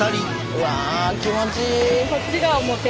うわ気持ちいい。